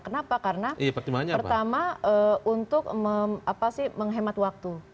kenapa karena pertama untuk menghemat waktu